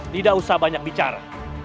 tidak usah banyak bicara